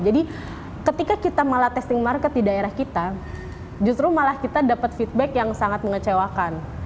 jadi ketika kita malah testing market di daerah kita justru malah kita dapat feedback yang sangat mengecewakan